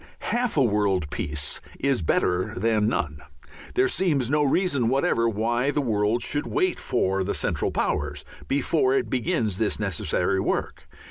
Half a world peace is better than none. There seems no reason whatever why the world should wait for the Central Powers before it begins this necessary work.